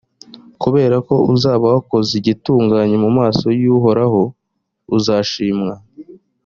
kubera ko uzaba wakoze igitunganye mu maso y’uhoraho uzashimwa.